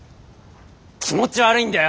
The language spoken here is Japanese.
気持ち悪いんだよ！